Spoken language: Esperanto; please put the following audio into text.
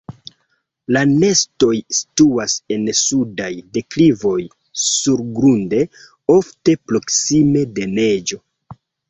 La nestoj situas en sudaj deklivoj surgrunde, ofte proksime de neĝo.